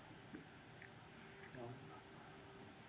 berapa banyak asprof yang minta untuk mengundurkan klb